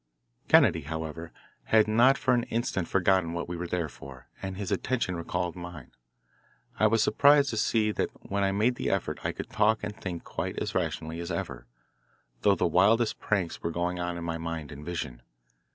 Kennedy, however, had not for an instant forgotten what we were there for, and his attention recalled mine. I was surprised to see that when I made the effort I could talk and think quite as rationally as ever, though the wildest pranks were going on in my mind and vision.